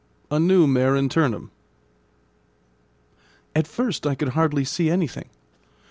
A NEW MARE INTERNUM At first I could hardly see anything.